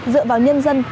dựa vào nhân dân